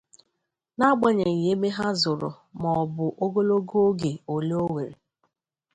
na-agbanyeghị ebe ha zòrò ma ọ bụ ogologo oge ole o werè.